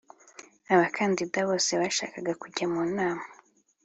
Abakandida bose bashaka kujya mu Nama